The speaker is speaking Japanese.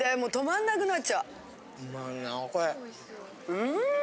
うん！